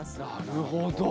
なるほど。